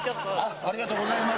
ありがとうございます。